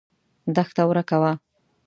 دښته ورکه وه.